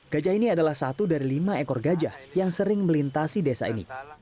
gajah ini adalah satu dari lima ekor gajah yang sering melintasi desa ini